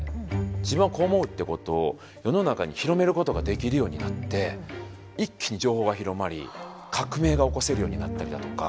自分はこう思うってことを世の中に広めることができるようになって一気に情報が広まり革命が起こせるようになったりだとか。